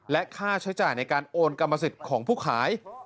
และค่าใช้จ่ายในการโอนกรรมสิทธิ์ของผู้ขาย